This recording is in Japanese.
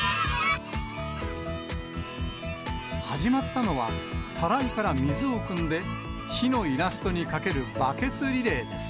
始まったのは、たらいから水をくんで、火のイラストにかけるバケツリレーです。